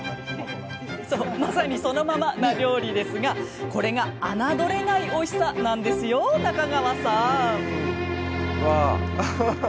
まさに、そのままな料理ですがこれが侮れないおいしさなんですよ、中川さん。